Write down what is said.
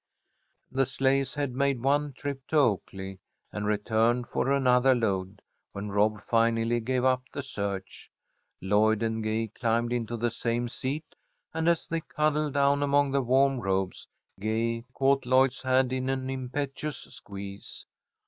The sleighs had made one trip to Oaklea and returned for another load, when Rob finally gave up the search. Lloyd and Gay climbed into the same seat, and, as they cuddled down among the warm robes, Gay caught Lloyd's hand in an impetuous squeeze.